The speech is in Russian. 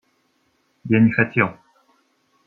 Я не хотел.